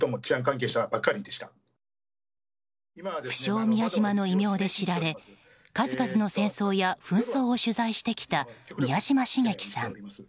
不肖・宮嶋の異名で知られ数々の戦争や紛争を取材してきた宮嶋茂樹さん。